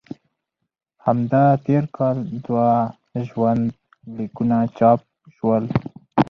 همدا تېر کال دوه ژوند لیکونه چاپ شول.